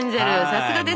さすがです。